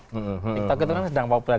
tiktok itu kan sedang populer